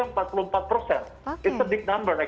ini adalah jumlah besar sebenarnya